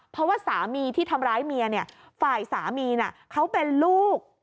เพราะว่าสามีที่ทำร้ายเมียเนี่ยฝ่ายสามีเขาเป็นลูก